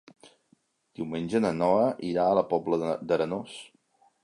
Diumenge na Noa irà a la Pobla d'Arenós.